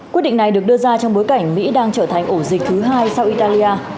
quyết định này được đưa ra trong bối cảnh mỹ đang trở thành ổ dịch thứ hai sau italia